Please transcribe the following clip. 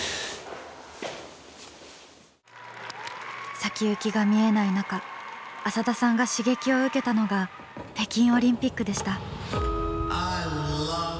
先行きが見えない中浅田さんが刺激を受けたのが北京オリンピックでした。